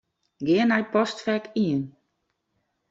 Gean nei Postfek Yn.